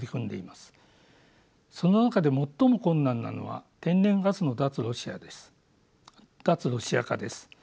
その中で最も困難なのは天然ガスの脱ロシア化です。